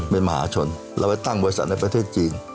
เป็นมหาชนเราไปตั้งบริษัทในประเทศจีน